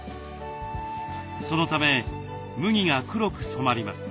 そのため麦が黒く染まります。